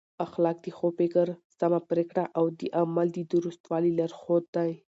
اخلاق د ښو فکر، سمه پرېکړه او د عمل د درستوالي لارښود دی.